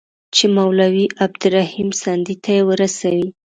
چي مولوي عبدالرحیم سندي ته یې ورسوي.